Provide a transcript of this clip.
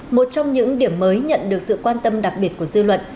một trong những điểm mới nhận được sự quan tâm đặc biệt của dư luận